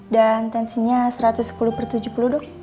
dan tensinya satu ratus sepuluh per tujuh puluh dok